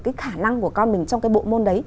cái khả năng của con mình trong cái bộ môn đấy